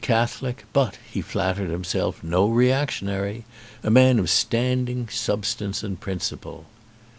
E E N Catholic, but, he flattered himself, no reactionary ; a man of standing, substance, and principle.